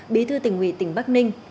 bí thư tỉnh ủy tỉnh bắc ninh